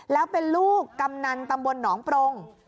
แล้วเป็นลูกกำนันตำบลหนองปรง